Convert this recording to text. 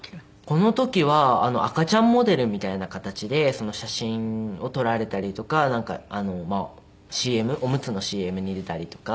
この時は赤ちゃんモデルみたいな形で写真を撮られたりとかなんかＣＭおむつのＣＭに出たりとか。